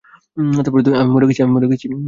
আমি মরে গেছি।